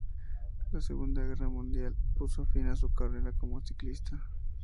La Segunda Guerra Mundial puso fin a su carrera como ciclista.